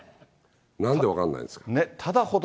なんで分かんないですか。